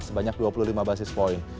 sebanyak dua puluh lima basis point